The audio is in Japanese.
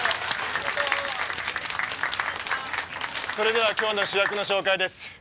それでは今日の主役の紹介です。